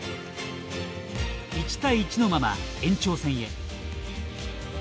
１対１のまま延長戦へ。